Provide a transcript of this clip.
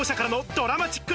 ドラマチック！